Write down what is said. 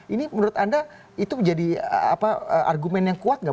ini menurut anda itu menjadi argumen yang kuat nggak